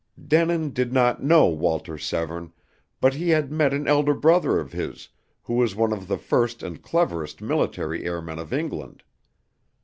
Denin did not know Walter Severne, but he had met an elder brother of his, who was one of the first and cleverest military airmen of England.